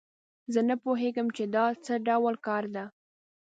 زه نه پوهیږم چې دا څه ډول کار ده